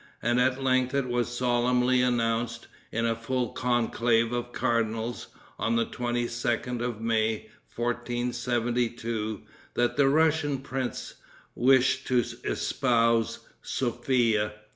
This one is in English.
and at length it was solemnly announced, in a full conclave of cardinals, on the 22d of May, 1472, that the Russian prince wished to espouse Sophia.